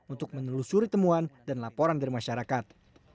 untuk menelusuri temuan dan laporan dari masyarakat